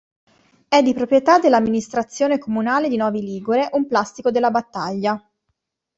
È di proprietà dell'amministrazione comunale di Novi Ligure un plastico della battaglia.